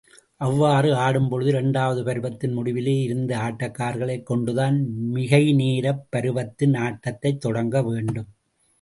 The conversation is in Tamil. அவ்வாறு ஆடும்பொழுது, இரண்டாவது பருவத்தின் முடிவிலே இருந்த ஆட்டக்காரர்களைக் கொண்டுதான் மிகை நேரப் பருவத்தின் ஆட்டத்தைத் தொடங்க வேண்டும்.